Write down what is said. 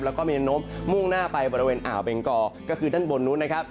แล้วก็มีแนวโน้มมุ่งหน้าไปบริเวณอ่าวเบงกอก็คือด้านบนนู้นนะครับ